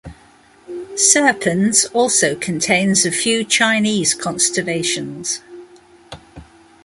Serpens also contains a few Chinese constellations.